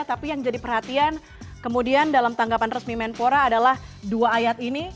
tapi yang jadi perhatian kemudian dalam tanggapan resmi menpora adalah dua ayat ini